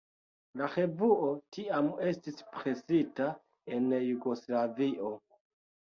La revuo tiam estis presita en Jugoslavio.